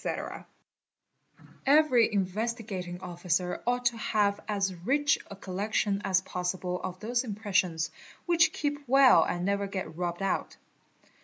_ Every Investigating Officer ought to have as rich a collection as % ossible of those impressions, which keep well and never get rubbed out.